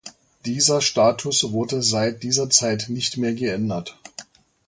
Dieser Status wurde seit dieser Zeit nicht mehr geändert.